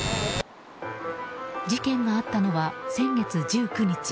事件があったのは先月１９日。